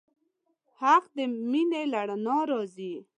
حق د مینې له رڼا راځي.